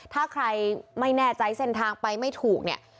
ถ้าใครไม่แน่ใจเส้นทางไปไม่ถูกเนี่ย